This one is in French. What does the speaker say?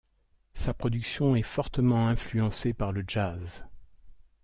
Sa production est fortement influencée par le jazz.